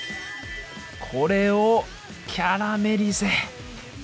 これをキャラメリゼ！